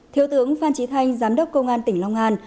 thiếu tướng phan trí thanh giám đốc công an tỉnh long an